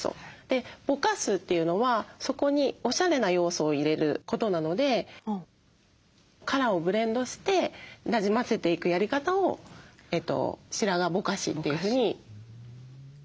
でぼかすというのはそこにおしゃれな要素を入れることなのでカラーをブレンドしてなじませていくやり方を白髪ぼかしというふうにご提案させて頂いてます。